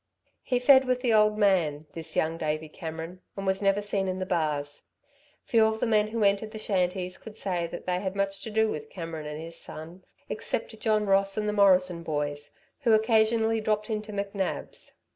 He fed with the old man, this young Davey Cameron, and was never seen in the bars. Few of the men who entered the shanties could say that they had had much to do with Cameron and his son, except John Ross and the Morrison boys, who occasionally dropped into McNab's.